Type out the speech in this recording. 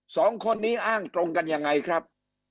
สองคนนี้อ้างตรงกันยังไงครับ